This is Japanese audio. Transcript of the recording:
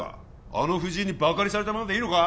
あの藤井にバカにされたままでいいのか？